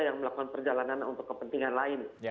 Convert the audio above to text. yang melakukan perjalanan untuk kepentingan lain